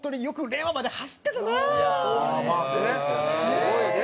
すごいね。